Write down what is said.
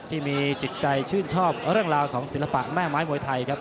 ที่มีจิตใจชื่นชอบเรื่องราวของศิลปะแม่ไม้มวยไทยครับ